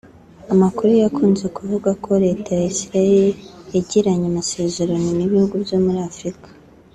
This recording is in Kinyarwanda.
Amakuru yakunze kuvugwa ko leta ya Israel yagiranye amasezerano n’ibihugu byo muri Afurika